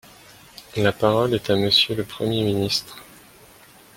La parole est à Monsieur le Premier ministre.